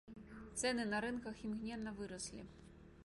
Цэны на рынках імгненна выраслі.